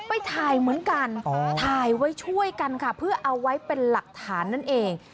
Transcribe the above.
ไปถ่ายเหมือนกันถ่ายไว้ช่วยกันค่ะเพื่อเอาไว้เป็นหลักฐานนั่นเอง